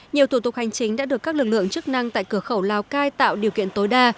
nhiều thủ tục hành chính đã được các lực lượng chức năng tại cửa khẩu lào cai tạo điều kiện tối đa